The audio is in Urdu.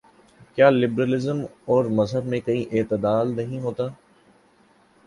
کیا لبرل ازم اور مذہب میں کہیں اعتدال نہیں ہوتا؟